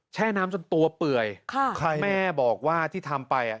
แช่น้ำจนตัวเปื่อยแม่บอกว่าที่ทำไป